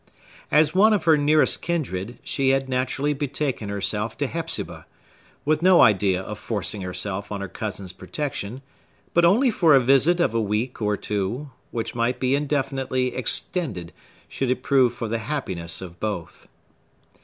As one of her nearest kindred, she had naturally betaken herself to Hepzibah, with no idea of forcing herself on her cousin's protection, but only for a visit of a week or two, which might be indefinitely extended, should it prove for the happiness of both.